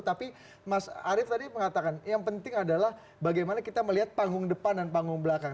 tapi mas arief tadi mengatakan yang penting adalah bagaimana kita melihat panggung depan dan panggung belakang